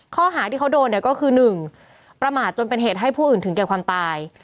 ข้อหาที่เขาโดนก็คือหนึ่งประหมาตจนเป็นเหตุให้ผู้อื่นถึงเกี่ยวความตาย